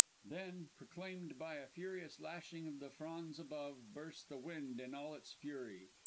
Then, proclaimed by a furious lashing of the fronds above, burst the wind in all its fury.